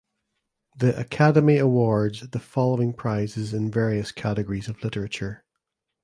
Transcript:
The Akademi awards the following prizes in various categories of literature.